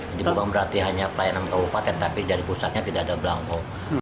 jadi bukan berarti hanya pelayanan ke bupati tapi dari pusatnya tidak ada belangko